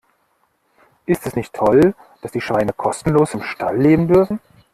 Ist es nicht toll, dass die Schweine kostenlos im Stall leben dürfen?